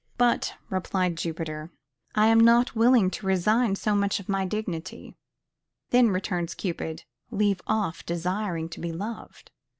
But, replied Jupiter, I am not willing to resign so much of my dignity. Then, returns Cupid, leave off desiring to be loved.